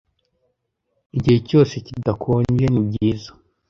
Igihe cyose kidakonje, nibyiza.